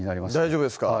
大丈夫ですか？